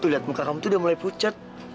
lihat muka kamu tuh udah mulai pucat